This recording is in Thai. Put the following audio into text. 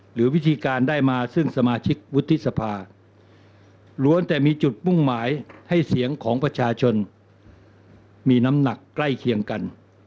หรือวิธีการได้มาซึ่งสมาชิกวุฒิสภาล้วนแต่มีจุดมุ่งหมายให้เสียงของประชาชนมีน้ำหนักใกล้เคียงกัน